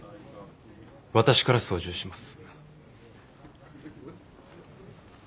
私から操縦します。